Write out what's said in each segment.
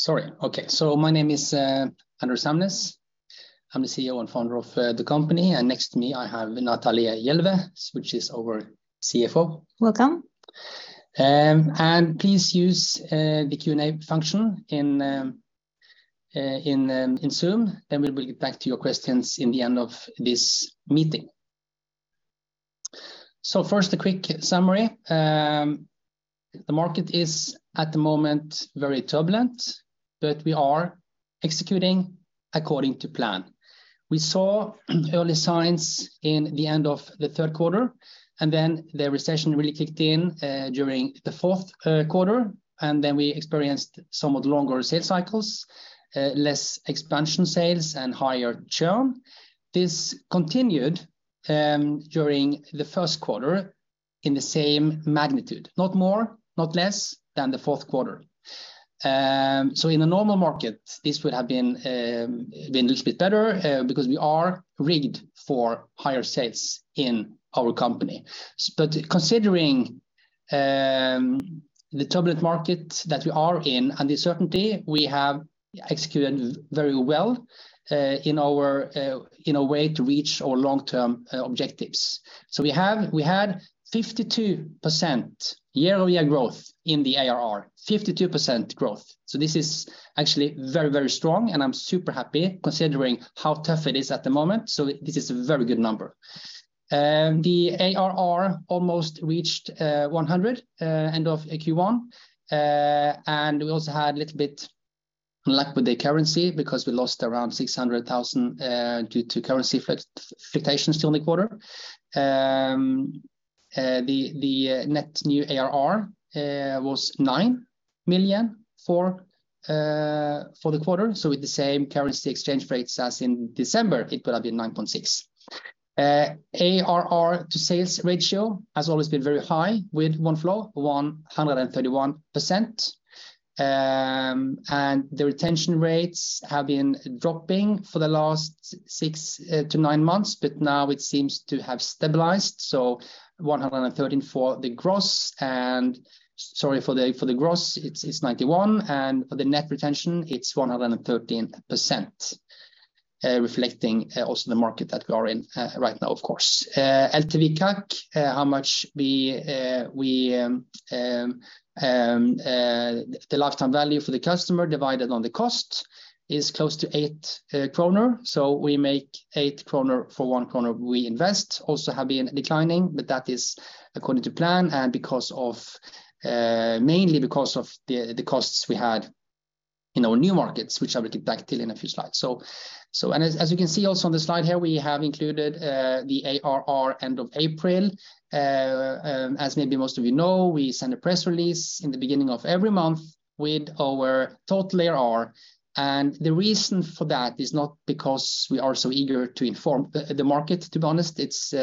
Sorry. Okay. My name is Anders Hamnes. I'm the CEO and founder of the company. Next to me, I have Natalie Jelveh, who is our CFO. Welcome. Please use the Q&A function in Zoom. We'll be back to your questions in the end of this meeting. First, a quick summary. The market is, at the moment, very turbulent. We are executing according to plan. We saw early signs in the end of the third quarter. Then the recession really kicked in during the fourth quarter. Then we experienced somewhat longer sales cycles, less expansion sales, and higher churn. This continued during the first quarter in the same magnitude, not more, not less than the fourth quarter. In a normal market, this would have been a little bit better because we are rigged for higher sales in our company. Considering the turbulent market that we are in and the uncertainty, we have executed very well in our in a way to reach our long-term objectives. We had 52% year-over-year growth in the ARR. 52% growth. This is actually very, very strong, and I'm super happy considering how tough it is at the moment. This is a very good number. The ARR almost reached 100 million end of Q1. And we also had a little bit luck with the currency because we lost around 600,000 due to currency fluctuations during the quarter. The net new ARR was 9 million for the quarter. With the same currency exchange rates as in December, it would have been 9.6 million. ARR to sales ratio has always been very high with Oneflow, 131%. The retention rates have been dropping for the last six to nine months, but now it seems to have stabilized. For the Gross Retention, it's 91, and for the Net Retention, it's 113%, reflecting also the market that we are in right now, of course. LTV:CAC, how much we, the lifetime value for the customer, divided on the cost is close to 8 kronor. We make 8 kronor for 1 kronor we invest. Also have been declining, but that is according to plan and because of, mainly because of the costs we had in our new markets, which I will get back to in a few slides. As you can see also on the slide here, we have included, the ARR end of April. As maybe most of you know, we send a press release in the beginning of every month with our total ARR. The reason for that is not because we are so eager to inform the market, to be honest. It's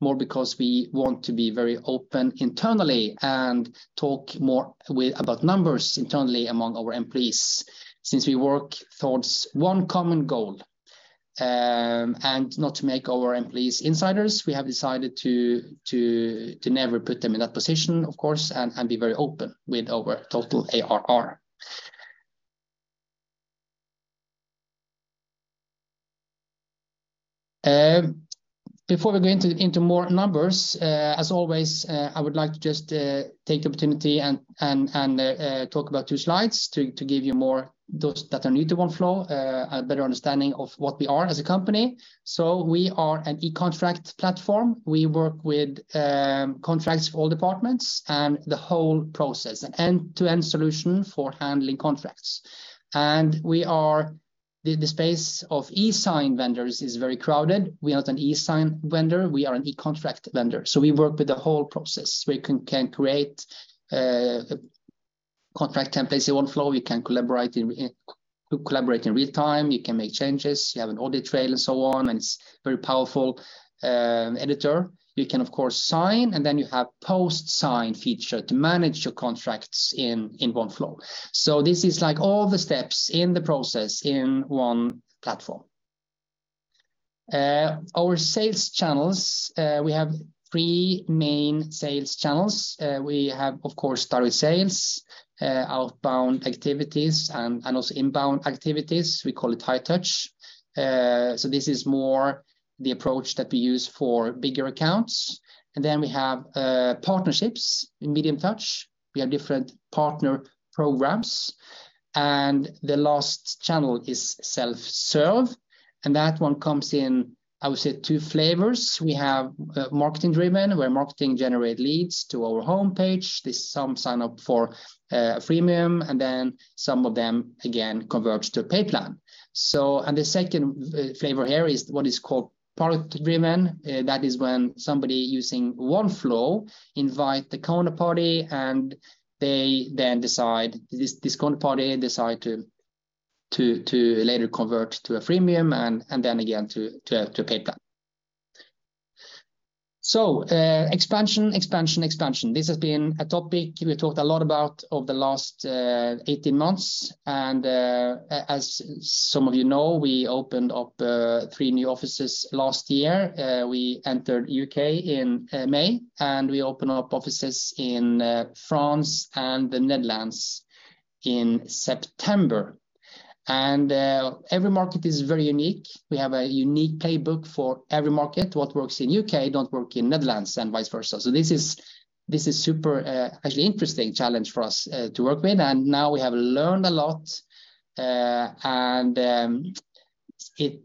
more because we want to be very open internally and talk about numbers internally among our employees, since we work towards one common goal. Not to make our employees insiders, we have decided to never put them in that position, of course, and be very open with our total ARR. Before we go into more numbers, as always, I would like to just take the opportunity and talk about two slides to give you more, those that are new to Oneflow, a better understanding of what we are as a company. We are an e-Contract platform. We work with contracts for all departments and the whole process, an end-to-end solution for handling contracts. We are... The space of e-Sign vendors is very crowded. We are not an e-Sign vendor. We are an e-Contract vendor, so we work with the whole process. We can create contract templates in Oneflow. We can collaborate in real-time. You can make changes. You have an audit trail and so on. It's very powerful editor. You can of course, sign. Then you have post-sign feature to manage your contracts in Oneflow. This is like all the steps in the process in one platform. Our sales channels, we have three main sales channels. We have, of course, direct sales, outbound activities, and also inbound activities. We call it high touch. This is more the approach that we use for bigger accounts. Then we have partnerships in medium touch. We have different partner programs. The last channel is self-serve, and that one comes in, I would say, two flavors. We have marketing-driven, where marketing generates leads to our homepage. There's some sign-up for freemium, and then some of them, again, converts to paid plan. The second flavor here is what is called product-driven. That is when somebody using Oneflow invite the counterparty, and they then decide, this counterparty decides to later convert to a freemium and then again to a paid plan. Expansion. This has been a topic we talked a lot about over the last 18 months. As some of you know, we opened up three new offices last year. We entered U.K. in May, we opened up offices in France and the Netherlands in September. Every market is very unique. We have a unique playbook for every market. What works in U.K. don't work in Netherlands and vice versa. This is, this is super, actually interesting challenge for us to work with. Now we have learned a lot, and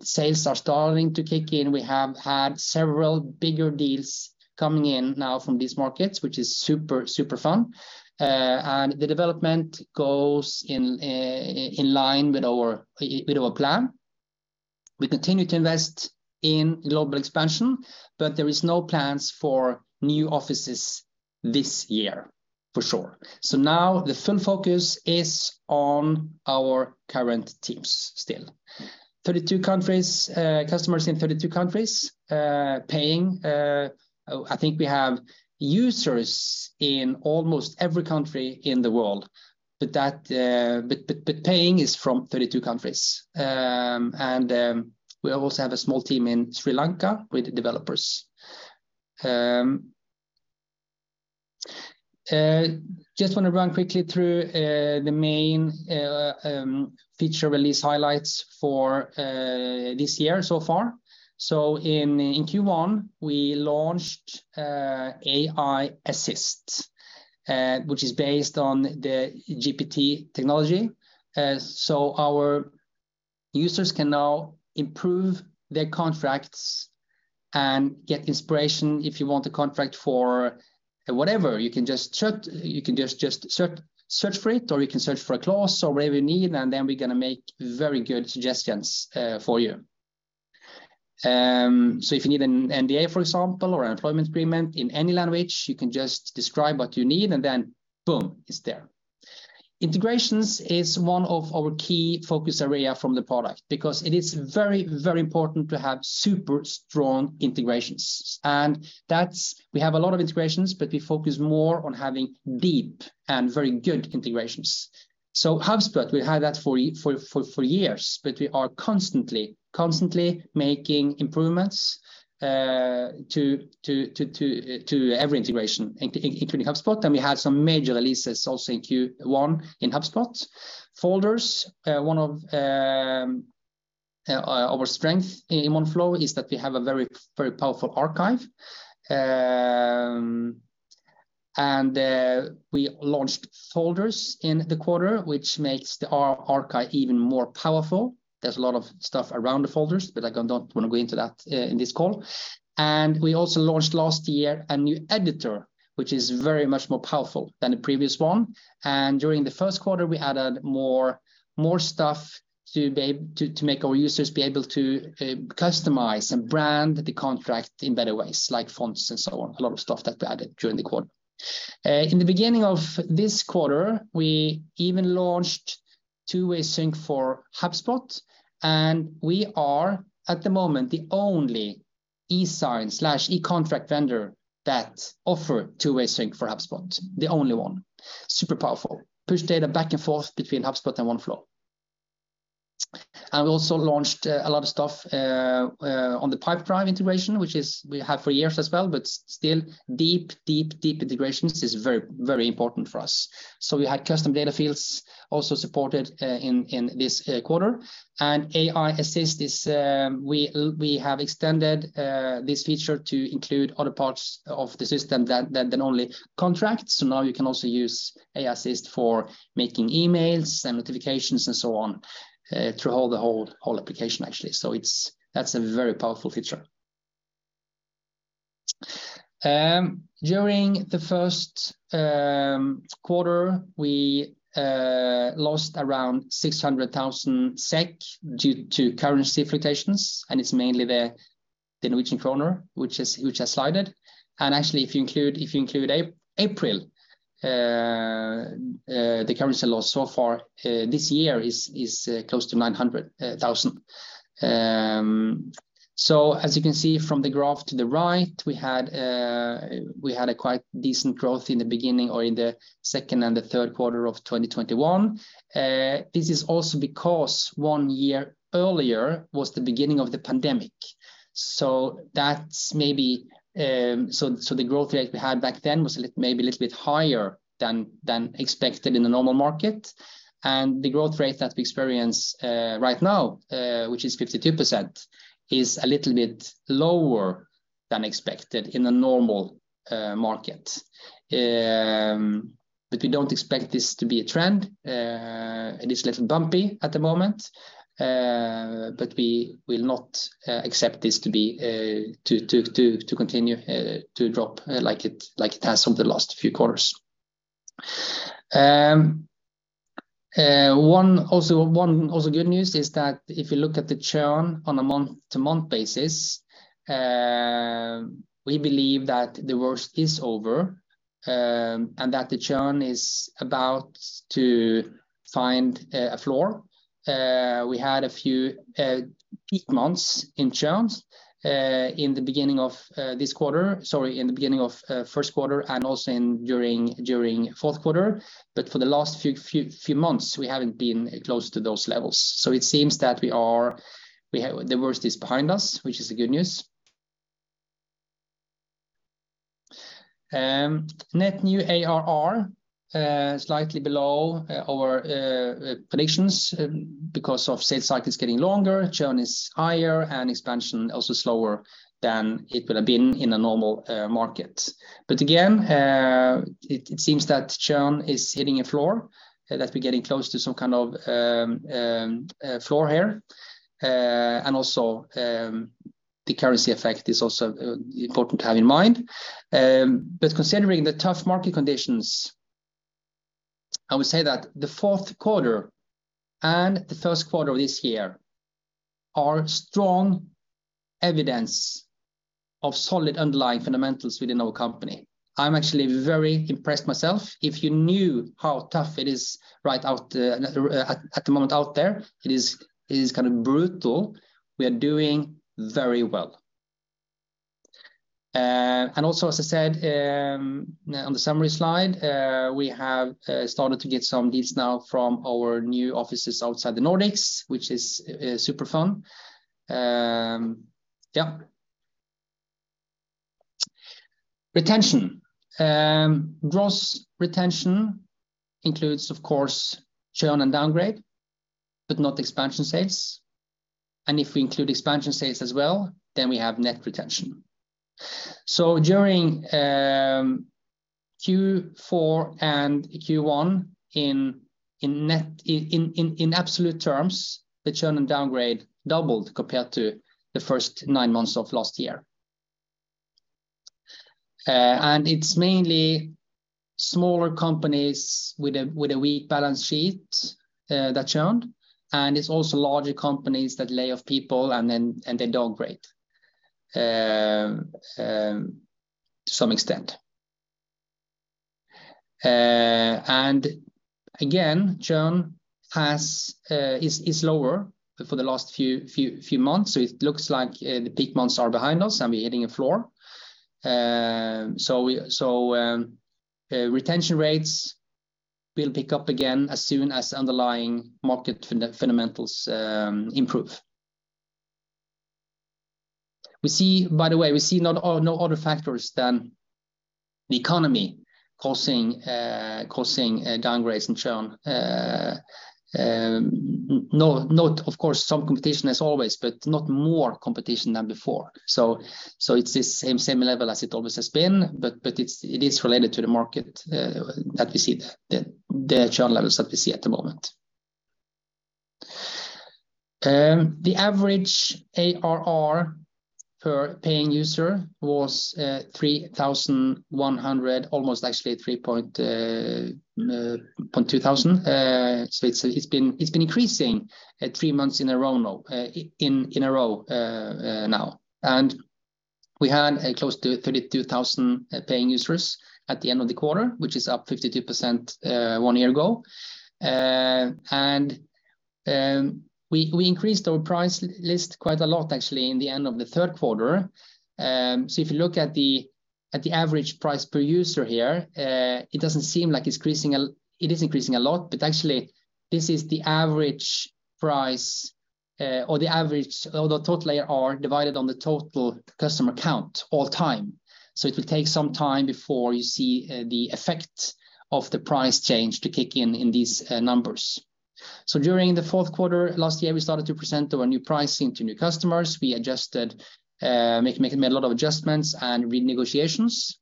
Sales are starting to kick in. We have had several bigger deals coming in now from these markets, which is super fun. The development goes in line with our plan. We continue to invest in global expansion, but there is no plans for new offices this year, for sure. Now the full focus is on our current teams still. 32 countries, customers in 32 countries, paying. I think we have users in almost every country in the world, but that, but paying is from 32 countries. We also have a small team in Sri Lanka with developers. Just wanna run quickly through the main feature release highlights for this year so far. In Q1, we launched AI Assist, which is based on the GPT technology. Our users can now improve their contracts and get inspiration. If you want a contract for whatever, you can just search for it or you can search for a clause or whatever you need, and then we're gonna make very good suggestions for you. If you need an NDA, for example, or an employment agreement in any language, you can just describe what you need and then boom, it's there. Integrations is one of our key focus areas from the product because it is very, very important to have super strong integrations. We have a lot of integrations, but we focus more on having deep and very good integrations. HubSpot, we had that for years, but we are constantly making improvements to every integration, including HubSpot. We had some major releases also in Q1 in HubSpot. Folders. One of our strength in Oneflow is that we have a very, very powerful archive. We launched folders in the quarter, which makes the archive even more powerful. There's a lot of stuff around the folders, but I don't want to go into that in this call. We also launched last year a new editor, which is very much more powerful than the previous one. During the first quarter, we added more stuff to make our users be able to customize and brand the contract in better ways, like fonts and so on. A lot of stuff that we added during the quarter. In the beginning of this quarter, we even launched two-way sync for HubSpot, and we are at the moment the only e-Sign/e-Contract vendor that offer two-way sync for HubSpot. The only one. Super powerful. Push data back and forth between HubSpot and Oneflow. We also launched a lot of stuff on the Pipedrive integration, which is we had for years as well, but still deep, deep, deep integrations is very, very important for us. We had custom data fields also supported in this quarter. AI Assist is... We have extended this feature to include other parts of the system than only contracts. Now you can also use AI Assist for making emails and notifications and so on, through all the whole application actually. That's a very powerful feature. During the first quarter, we lost around 600,000 SEK due to currency fluctuations, it's mainly the Norwegian kroner which has slided. Actually, if you include April, the currency loss so far this year is close to 900,000. As you can see from the graph to the right, we had a quite decent growth in the beginning or in the second and the third quarter of 2021. This is also because one year earlier was the beginning of the pandemic. The growth rate we had back then was maybe a little bit higher than expected in the normal market. The growth rate that we experience right now, which is 52%, is a little bit lower than expected in a normal market. But we don't expect this to be a trend. It is little bumpy at the moment, but we will not accept this to be to continue to drop like it has for the last few quarters. One also good news is that if you look at the churn on a month-to-month basis, we believe that the worst is over, and that the churn is about to find a floor. We had a few Peak months in churn in the beginning of first quarter and also during fourth quarter. For the last few months, we haven't been close to those levels. It seems that the worst is behind us, which is good news. Net New ARR slightly below our predictions because of sales cycles getting longer, churn is higher, and expansion also slower than it would have been in a normal market. Again, it seems that churn is hitting a floor, that we're getting close to some kind of floor here. Also, the currency effect is also important to have in mind. Considering the tough market conditions, I would say that the fourth quarter and the first quarter of this year are strong evidence of solid underlying fundamentals within our company. I'm actually very impressed myself. If you knew how tough it is right out at the moment out there, it is kind of brutal. We are doing very well. Also, as I said, on the summary slide, we have started to get some deals now from our new offices outside the Nordics, which is super fun. Yeah. Retention. Gross Retention includes, of course, churn and downgrade, but not expansion sales. If we include expansion sales as well, then we have Net Retention. During Q4 and Q1 in absolute terms, the churn and downgrade doubled compared to the first nine months of last year. It's mainly smaller companies with a weak balance sheet that churn. It's also larger companies that lay off people, and they downgrade to some extent. Again, churn is lower for the last few months. It looks like the peak months are behind us, and we're hitting a floor. Retention rates will pick up again as soon as underlying market fundamentals improve. We see, by the way, we see no other factors than the economy causing downgrades and churn. No. Of course, some competition as always, not more competition than before. It's the same level as it always has been, it's related to the market that we see the churn levels that we see at the moment. The average ARR per paying user was 3,100, almost actually 32,000. It's been increasing three months in a row now. We had close to 32,000 paying users at the end of the quarter, which is up 52% one year ago. We increased our price list quite a lot actually in the end of the third quarter. If you look at the average price per user here, it doesn't seem like it's increasing it is increasing a lot, but actually, this is the average price, or the total ARR divided on the total customer count all time. It will take some time before you see the effect of the price change to kick in in these numbers. During the fourth quarter last year, we started to present our new pricing to new customers. We adjusted, made a lot of adjustments and renegotiations.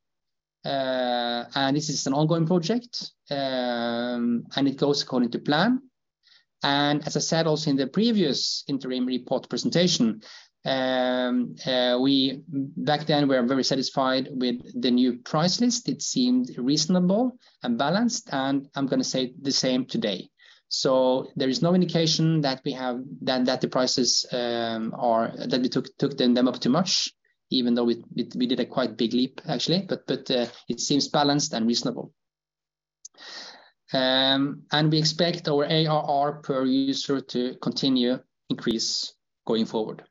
This is an ongoing project, and it goes according to plan. As I said also in the previous interim report presentation, back then, we were very satisfied with the new price list. It seemed reasonable and balanced, and I'm gonna say the same today. There is no indication that the prices that we took them up too much, even though we did a quite big leap actually. It seems balanced and reasonable. We expect our ARR per user to continue increase going forward.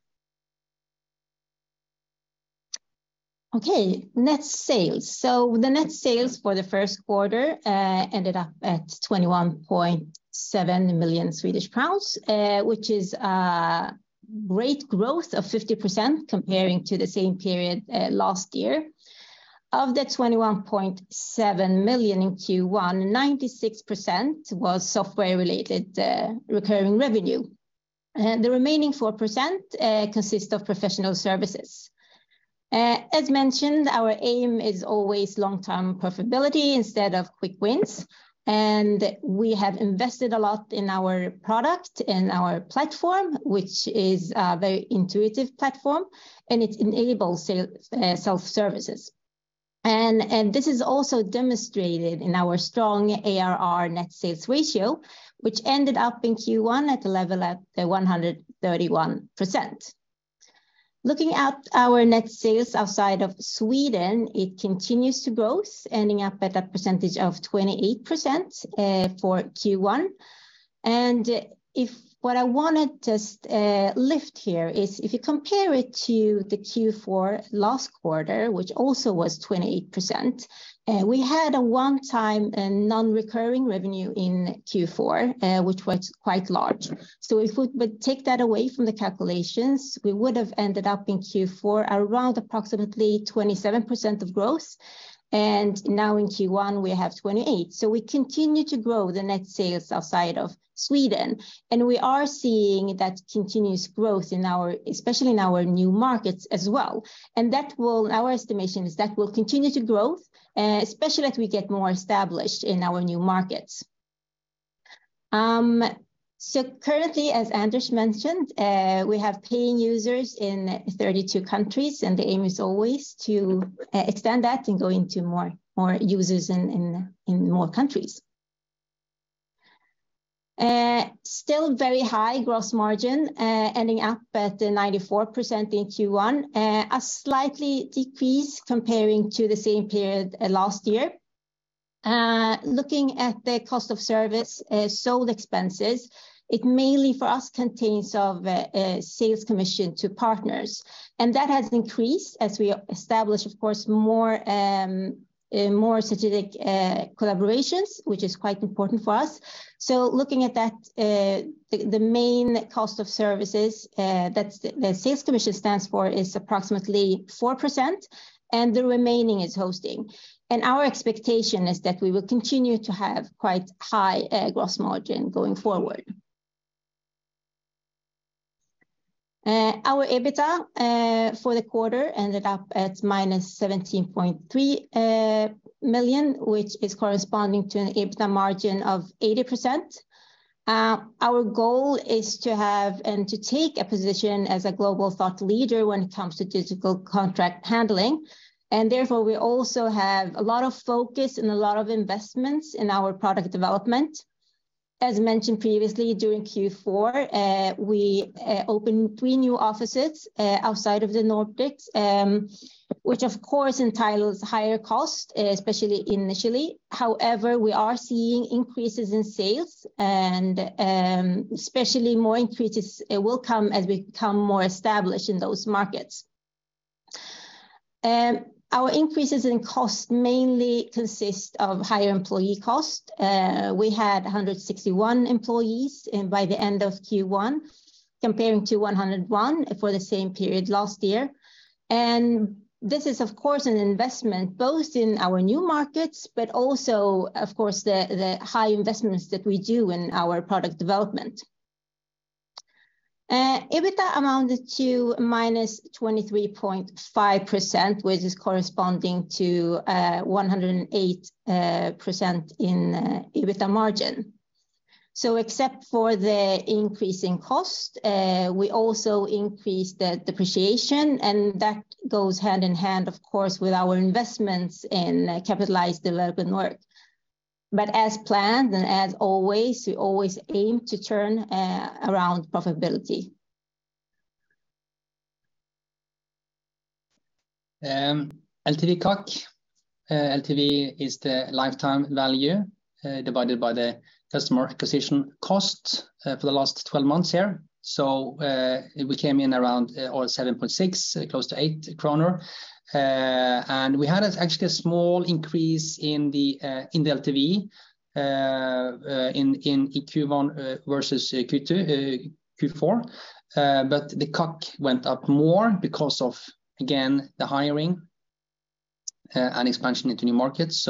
Okay, net sales. The net sales for the first quarter ended up at 21.7 million Swedish crowns, which is great growth of 50% comparing to the same period last year. Of the 21.7 million in Q1, 96% was software-related recurring revenue. The remaining 4% consists of professional services. As mentioned, our aim is always long-term profitability instead of quick wins, and we have invested a lot in our product and our platform, which is a very intuitive platform, and it enables self-services. This is also demonstrated in our strong ARR net sales ratio, which ended up in Q1 at a level at 131%. Looking at our net sales outside of Sweden, it continues to grow, ending up at a percentage of 28% for Q1. What I wanted to lift here is if you compare it to the Q4 last quarter, which also was 28%, we had a one-time, non-recurring revenue in Q4, which was quite large. If we would take that away from the calculations, we would have ended up in Q4 around approximately 27% of growth. Now in Q1, we have 28%. We continue to grow the net sales outside of Sweden. We are seeing that continuous growth in our especially in our new markets as well. Our estimation is that will continue to grow, especially as we get more established in our new markets. Currently, as Anders mentioned, we have paying users in 32 countries, and the aim is always to extend that and go into more users in more countries. Still very high gross margin, ending up at 94% in Q1. A slightly decrease comparing to the same period last year. Looking at the cost of service, sold expenses, it mainly for us contains of sales commission to partners. That has increased as we establish, of course, more strategic collaborations, which is quite important for us. Looking at that, the main cost of services that the sales commission stands for is approximately 4%, and the remaining is hosting. Our expectation is that we will continue to have quite high gross margin going forward. Our EBITDA for the quarter ended up at -17.3 million, which is corresponding to an EBITDA margin of 80%. Our goal is to have and to take a position as a global thought leader when it comes to digital contract handling. Therefore, we also have a lot of focus and a lot of investments in our product development. As mentioned previously, during Q4, we opened three new offices outside of the Nordics, which of course entitles higher costs, especially initially. However, we are seeing increases in sales and especially more increases will come as we become more established in those markets. Our increases in cost mainly consist of higher employee costs. We had 161 employees by the end of Q1, comparing to 101 for the same period last year. This is, of course, an investment, both in our new markets, but also, of course, the high investments that we do in our product development. EBITDA amounted to -23.5%, which is corresponding to, 108% in EBITDA margin. Except for the increase in cost, we also increased the depreciation, and that goes hand in hand, of course, with our investments in capitalized development work. As planned and as always, we always aim to turn, around profitability. LTV:CAC. LTV is the lifetime value divided by the customer acquisition cost for the last 12 months here. We came in around 7.6, close to 8 kronor. And we had actually a small increase in the LTV in Q1 versus Q2, Q4. The CAC went up more because of, again, the hiring and expansion into new markets.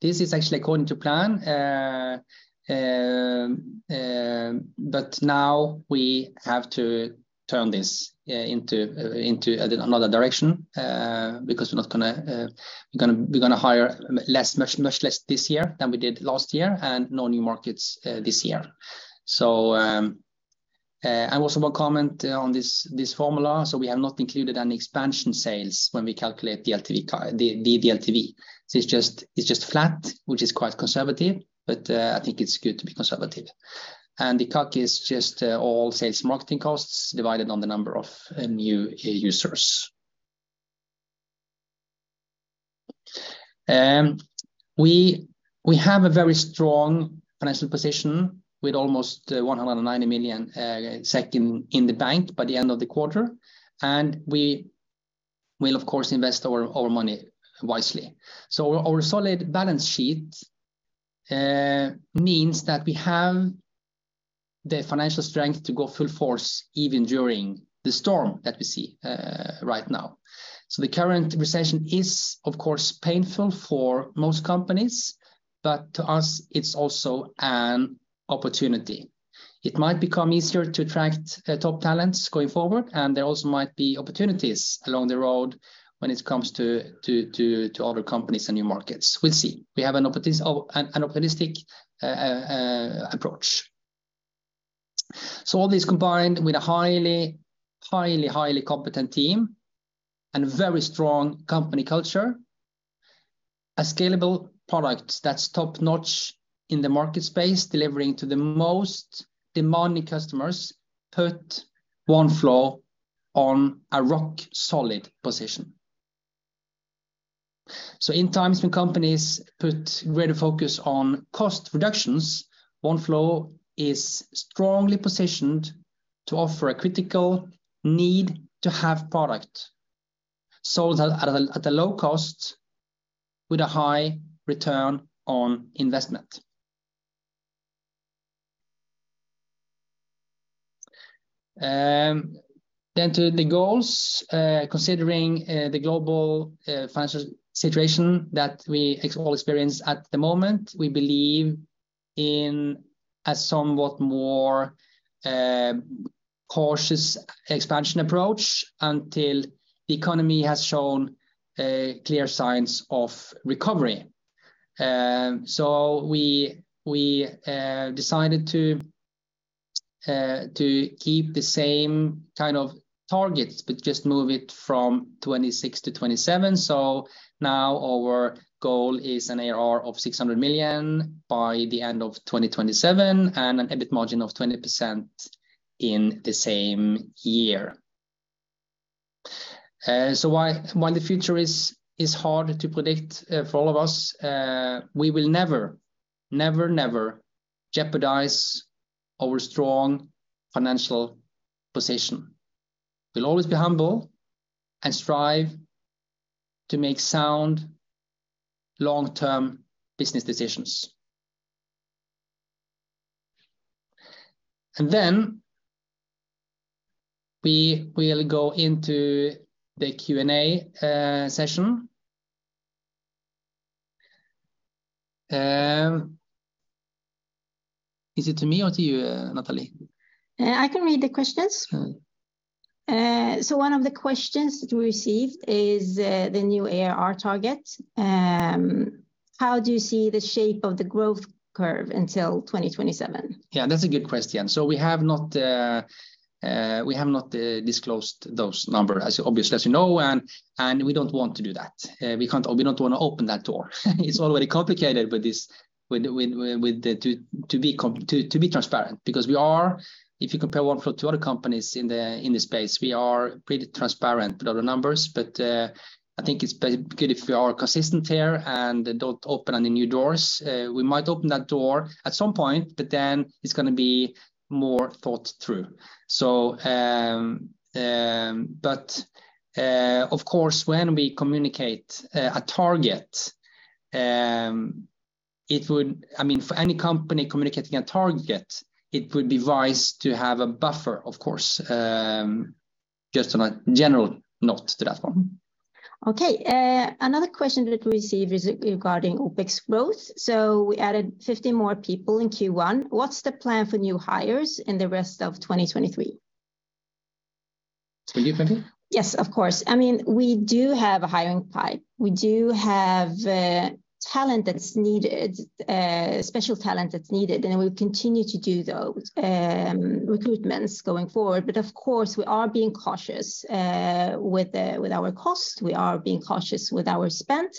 This is actually according to plan. Now we have to turn this into another direction because we're not gonna, we're gonna hire less, much less this year than we did last year, and no new markets this year. I also want to comment on this formula. We have not included any expansion sales when we calculate the LTV. It's just flat, which is quite conservative, but I think it's good to be conservative. The CAC is just all sales marketing costs divided on the number of new users. We have a very strong financial position with almost 190 million in the bank by the end of the quarter. We will, of course, invest our money wisely. Our solid balance sheet means that we have the financial strength to go full force even during the storm that we see right now. The current recession is, of course, painful for most companies, but to us, it's also an opportunity. It might become easier to attract top talents going forward. There also might be opportunities along the road when it comes to other companies and new markets. We'll see. We have an opportunistic approach. All this combined with a highly competent team and very strong company culture. A scalable product that's top-notch in the market space, delivering to the most demanding customers, put Oneflow on a rock-solid position. In times when companies put greater focus on cost reductions, Oneflow is strongly-positioned to offer a critical need-to-have product sold at a low cost with a high return on investment. Then to the goals, considering the global financial situation that we experience at the moment, we believe in a somewhat more cautious expansion approach until the economy has shown clear signs of recovery. We decided to keep the same kind of targets but just move it from 2026 to 2027. Now our goal is an ARR of 600 million by the end of 2027 and an EBIT margin of 20% in the same year. While the future is hard to predict for all of us, we will never jeopardize our strong financial position. We'll always be humble and strive to make sound long-term business decisions. Then we will go into the Q&A session. Is it to me or to you, Natalie? I can read the questions. All right. One of the questions that we received is, the new ARR target. How do you see the shape of the growth curve until 2027? Yeah, that's a good question. We have not disclosed those numbers, as obviously as you know, and we don't want to do that. We can't, we don't wanna open that door. It's already complicated with this, to be transparent because we are. If you compare Oneflow to other companies in the space, we are pretty transparent with all the numbers. I think it's good if we are consistent here and don't open any new doors. We might open that door at some point, it's gonna be more thought through. Of course, when we communicate a target, I mean, for any company communicating a target, it would be wise to have a buffer, of course. Just on a general note to that one. Another question that we received is regarding OpEx growth. We added 50 more people in Q1. What's the plan for new hires in the rest of 2023? To you, Natalie. Yes, of course. I mean, we do have a hiring pipe. We do have talent that's needed, special talent that's needed, and we'll continue to do those recruitments going forward. Of course, we are being cautious with our costs. We are being cautious with our spend.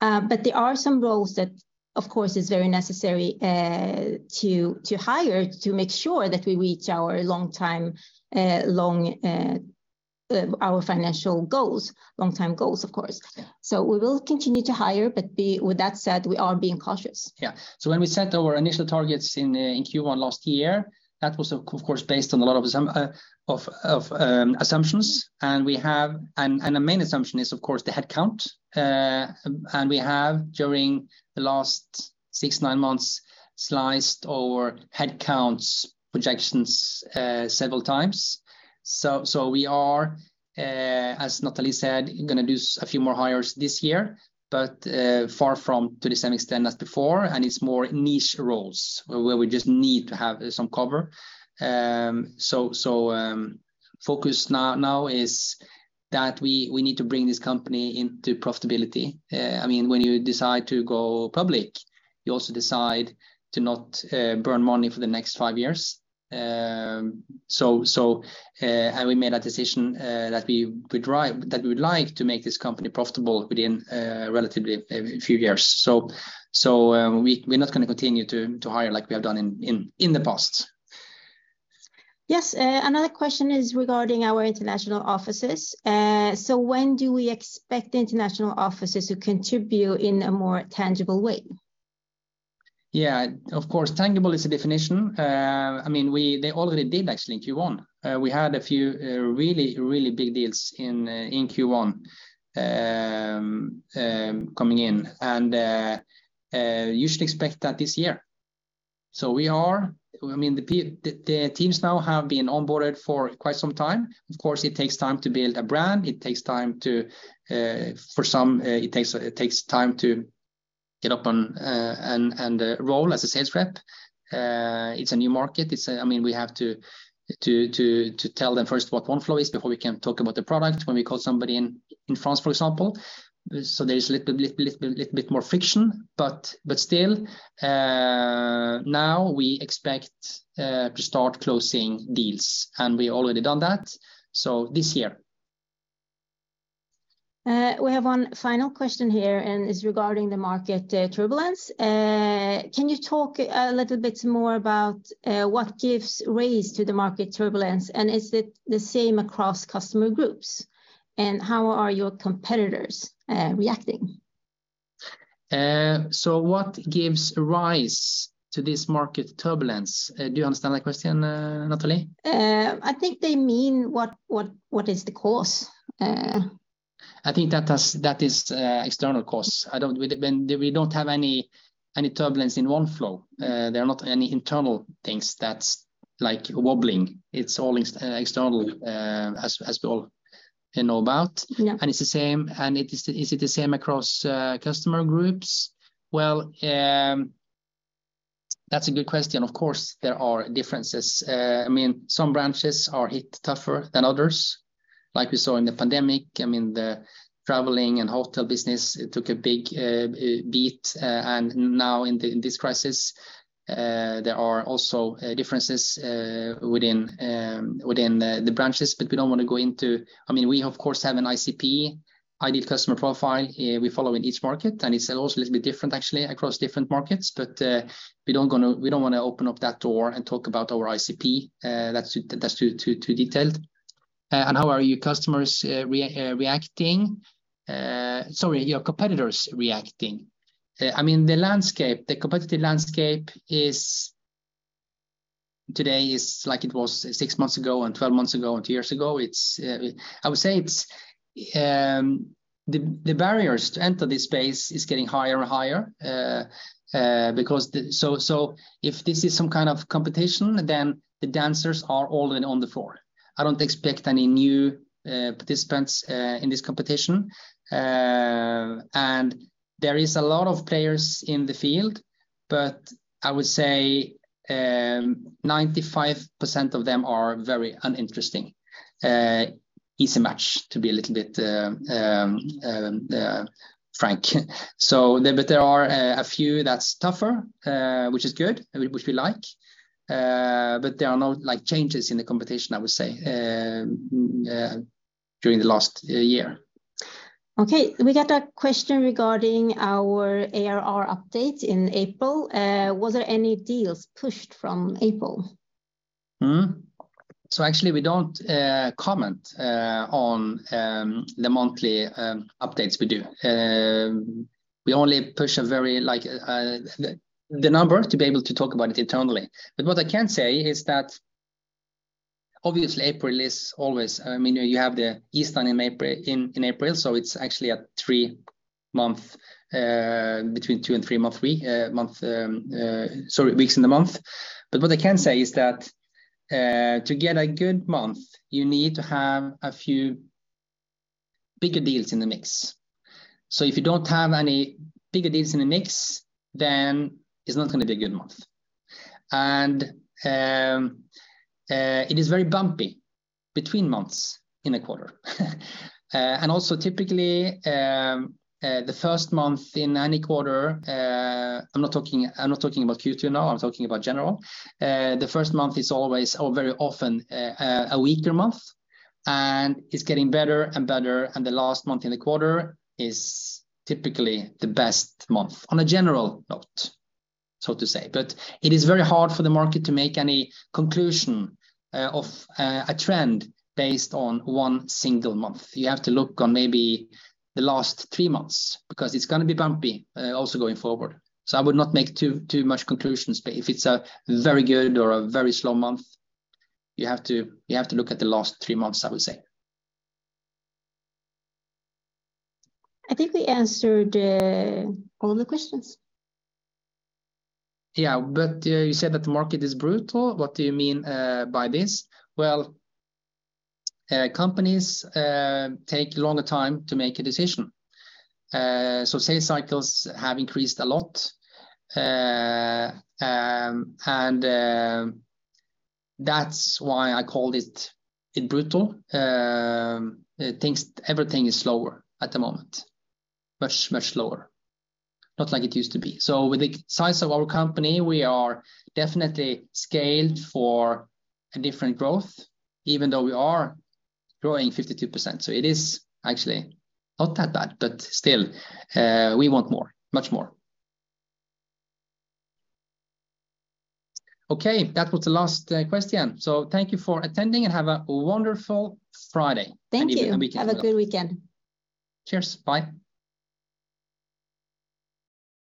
There are some roles that, of course, is very necessary to hire to make sure that we reach our financial goals, long-term goals, of course. Yeah. We will continue to hire. With that said, we are being cautious. Yeah. When we set our initial targets in Q1 last year, that was of course, based on a lot of assumptions. The main assumption is, of course, the headcount. We have, during the last six, nine months, sliced our headcounts projections several times. We are, as Natalie said, gonna do a few more hires this year, but far from to the same extent as before. It's more niche roles where we just need to have some cover. Focus now is that we need to bring this company into profitability. I mean, when you decide to go public, you also decide to not burn money for the next five years. We made that decision, that we would like to make this company profitable within relatively a few years. We, we're not gonna continue to hire like we have done in the past. Yes. Another question is regarding our international offices. When do we expect the international offices to contribute in a more tangible way? Yeah. Of course, tangible is a definition. I mean, they already did actually in Q1. We had a few really big deals in Q1 coming in. You should expect that this year. I mean, the teams now have been onboarded for quite some time. Of course, it takes time to build a brand. It takes time to for some, it takes time to get up on and role as a sales rep. It's a new market. It's, I mean, we have to tell them first what Oneflow is before we can talk about the product, when we call somebody in France, for example. There's a little bit more friction. Still, now we expect to start closing deals, and we already done that, so this year. We have one final question here and it's regarding the market turbulence. Can you talk a little bit more about what gives rise to the market turbulence, and is it the same across customer groups? How are your competitors reacting? What gives rise to this market turbulence? Do you understand that question, Natalie? I think they mean what is the cause? I think that is external cause. I don't. We don't have any turbulence in Oneflow. There are not any internal things that's, like, wobbling. It's all external, as we all, you know about. Yeah. Is it the same across customer groups? Well, that's a good question. Of course, there are differences. I mean, some branches are hit tougher than others, like we saw in the pandemic. I mean, the traveling and hotel business, it took a big beat. Now in this crisis, there are also differences within the branches, but we don't wanna go into... I mean, we of course have an ICP, Ideal Customer Profile, we follow in each market, and it's also a little bit different, actually across different markets. We don't wanna open up that door and talk about our ICP. That's too detailed. How are your customers reacting? Sorry, your competitors reacting. I mean, the landscape, the competitive landscape is today is like it was six months ago, and 12 months ago, and two years ago. It's, I would say it's, the barriers to enter this space is getting higher and higher. If this is some kind of competition, then the dancers are all in on the floor. I don't expect any new participants in this competition. There is a lot of players in the field, but I would say, 95% of them are very uninteresting. Easy match to be a little bit frank. There are a few that's tougher, which is good, which we like, but there are no, like, changes in the competition, I would say, during the last year. Okay, we got a question regarding our ARR update in April. Was there any deals pushed from April? Mm-hmm. Actually, we don't comment on the monthly updates we do. We only push a very, like, the number to be able to talk about it internally. What I can say is that obviously April is always... I mean, you have the Easter in April, so it's actually a three-month, between two and three month week, month, sorry, weeks in the month. What I can say is that to get a good month, you need to have a few bigger deals in the mix. If you don't have any bigger deals in the mix, then it's not gonna be a good month. It is very bumpy between months in a quarter. Also typically, the first month in any quarter, I'm not talking, I'm not talking about Q2 now, I'm talking about general. The first month is always or very often a weaker month, and it's getting better and better, and the last month in the quarter is typically the best month on a general note, so to say. It is very hard for the market to make any conclusion, of a trend based on one single month. You have to look on maybe the last three months, because it's gonna be bumpy, also going forward. I would not make too much conclusions. If it's a very good or a very slow month, you have to look at the last three months, I would say. I think we answered all the questions. Yeah. You said that the market is brutal. What do you mean by this? Companies take a longer time to make a decision. That's why I called it brutal. Everything is slower at the moment. Much slower. Not like it used to be. With the size of our company, we are definitely scaled for a different growth, even though we are growing 52%. It is actually not that bad, but still, we want more, much more. Okay. That was the last question. Thank you for attending, and have a wonderful Friday- Thank you.... and weekend as well. Have a good weekend. Cheers. Bye.